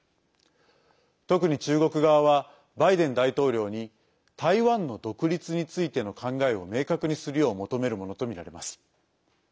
特に中国側はバイデン大統領に台湾の独立についての考えを明確にするよう求めるものとみられます。